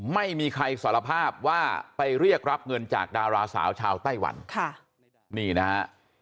ไม่มีใครสารภาพว่าไปเรียกรับเงินจากดาราสาวชาวไต้หวันค่ะนี่นะฮะ